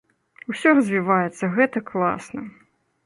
Усё развіваецца, гэта класна.